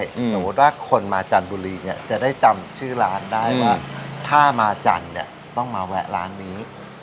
สมมุติว่าคนมาจันทบุรีเนี่ยจะได้จำชื่อร้านได้ว่าถ้ามาจันทร์เนี่ยต้องมาแวะร้านนี้